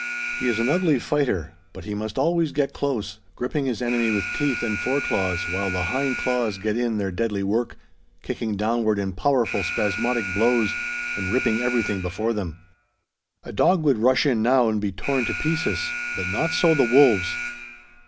He is an ugly fighter; but he must always get close, gripping his enemy with teeth and fore claws while the hind claws get in their deadly work, kicking downward in powerful spasmodic blows and ripping everything before them. A dog would rush in now and be torn to pieces; but not so the wolves.